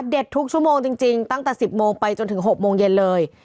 ทุกชั่วโมงจริงตั้งแต่๑๐โมงไปจนถึง๖โมงเย็นเลย